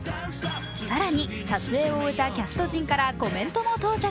更に撮影を終えたキャスト陣からコメントも到着。